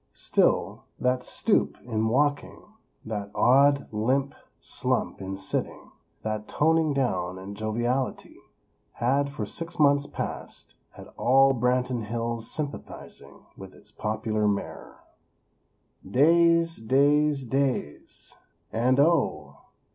Still, that stoop in walking; that odd, limp slump in sitting; that toning down in joviality, had, for six months past, had all Branton Hills sympathizing with its popular Mayor. Days; days; days! And, oh!